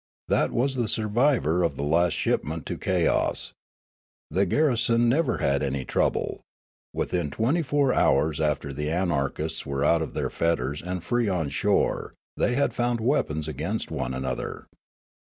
That was the survivor of the last shipment to Kayoss. The garrison had never had any trouble. Within twenty four hours after the anarchists were out of their fetters and free on shore they had found weapons against one another.